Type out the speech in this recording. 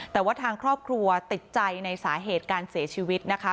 แต่ว่าทางครอบครัวติดใจในสาเหตุการเสียชีวิตนะคะ